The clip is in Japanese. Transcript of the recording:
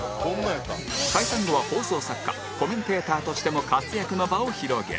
解散後は放送作家コメンテーターとしても活躍の場を広げる